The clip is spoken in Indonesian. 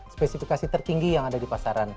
spesifikasi tertinggi yang ada di pasaran